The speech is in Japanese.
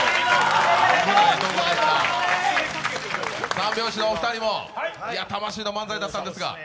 三拍子のお二人も魂の漫才だったんですが。